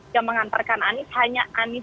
yang mengantarkan anies hanya anies